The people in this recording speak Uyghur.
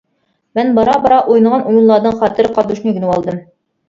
مەن بارا-بارا ئوينىغان ئويۇنلاردىن خاتىرە قالدۇرۇشنى ئۆگىنىۋالدىم.